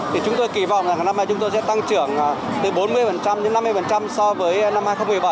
thì chúng tôi kỳ vọng là năm nay chúng tôi sẽ tăng trưởng từ bốn mươi đến năm mươi so với năm hai nghìn một mươi bảy